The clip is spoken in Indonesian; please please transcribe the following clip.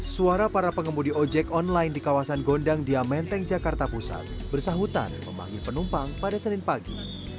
suara para pengemudi ojek online di kawasan gondang dia menteng jakarta pusat bersahutan memanggil penumpang pada senin pagi